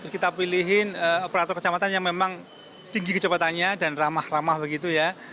kita pilihin operator kecamatan yang memang tinggi kecepatannya dan ramah ramah begitu ya